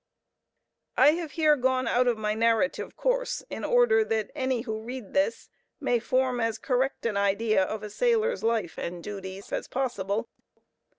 I have here gone out of my narrative course in order that any who read this may form as correct an idea of a sailor's life and duty as possible.